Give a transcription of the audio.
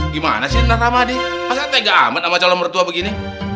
gimana sih mbak ramadi masa tega amat sama calon mertua begini